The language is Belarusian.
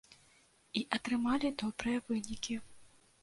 І атрымалі добрыя вынікі.